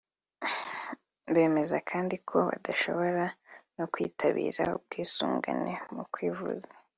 Bemeza kandi ko badashobora no kwitabira ubwisungane mu kwivuza